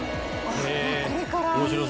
これから。